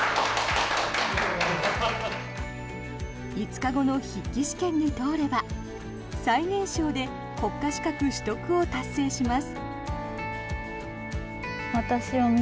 ５日後の筆記試験に通れば最年少で国家資格取得を達成します。